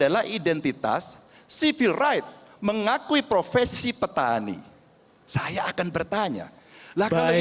adalah identitas civil right mengakui profesi petani saya akan bertanya lah kalau dari